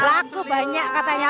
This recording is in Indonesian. laku banyak katanya